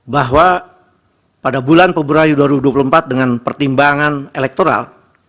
bahwa pada bulan februari dua ribu dua puluh empat dengan pertimbangan elektoral